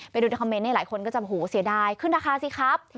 ไปดูในคอมเมนต์หลายคนก็จะโหเสียดายขึ้นราคาสิครับ